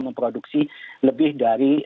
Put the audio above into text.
memproduksi lebih dari